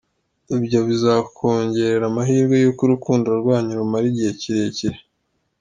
Ibyo bizakongerera amahirwe yuko urukundo rwanyu rumara igihe kirekire.